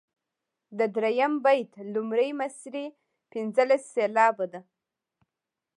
د دریم بیت لومړۍ مصرع پنځلس سېلابه ده.